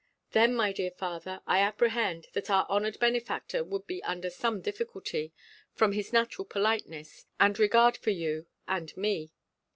Then, my dear father, I apprehend, that our honoured benefactor would be under some difficulty, from his natural politeness, and regard for you and me.